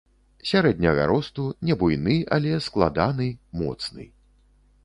Сярэдняга росту, не буйны, але складаны, моцны.